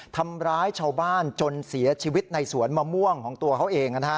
ทำร้ายชาวบ้านจนเสียชีวิตในสวนมะม่วงของตัวเขาเอง